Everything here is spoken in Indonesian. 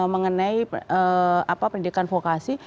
mengenai pendidikan vokasi